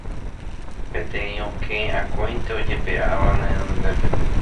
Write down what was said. Peteĩ okẽ akóinte ojepe'áva ne renondépe